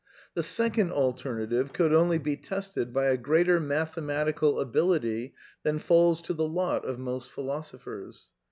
The second alternative ... could only be tested by a greater mathematical ability than falls to the lot of most philosophers.